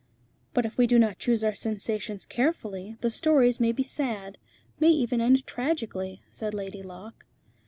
"But if we do not choose our sensations carefully, the stories may be sad, may even end tragically," said Lady Locke.